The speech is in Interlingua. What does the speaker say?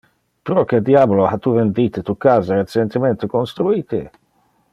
Proque diabolo ha tu vendite tu casa recentemente construite?